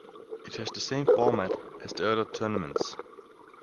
It has the same format as the other tournaments.